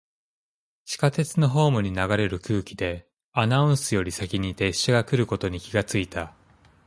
地下鉄のホームに流れる空気で、アナウンスより先に列車が来ることに気がついた。